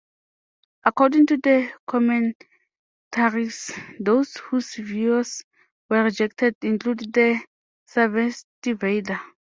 According to the Commentaries those whose views were rejected include the Sarvastivada.